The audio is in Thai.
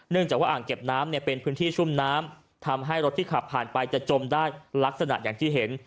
จากว่าอ่างเก็บน้ำเนี่ยเป็นพื้นที่ชุ่มน้ำทำให้รถที่ขับผ่านไปจะจมได้ลักษณะอย่างที่เห็น